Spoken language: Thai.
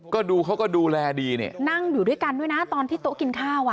ก็ดูเขาก็ดูแลดีเนี่ยนั่งอยู่ด้วยกันด้วยนะตอนที่โต๊ะกินข้าวอ่ะ